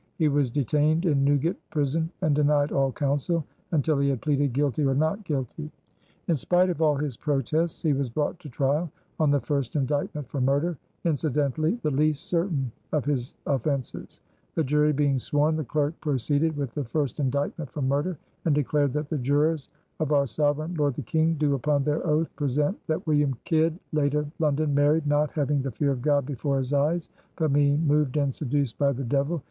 He was detained in Newgate Prison and denied all counsel until he had pleaded "guilty" or "not guilty." In spite of all his protests he was brought to trial on the first indictment for murder, incidentally the least certain of his offenses. The jury being sworn, the clerk proceeded with the first indictment for murder and declared that "the jurors of our sovereign Lord the King do upon their oath present that William Kidd, late of London, married, not having the fear of God before his eyes; but being moved and seduced by the Devil